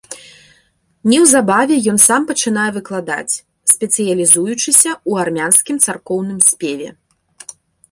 Неўзабаве ён сам пачынае выкладаць, спецыялізуючыся ў армянскім царкоўным спеве.